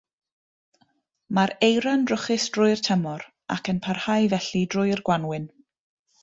Mae'r eira'n drwchus drwy'r tymor, ac yn parhau felly drwy'r gwanwyn.